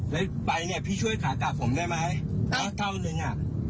แล้วไปนี่พี่ช่วยขาดกากผมได้ไหมเท่าหนึ่ง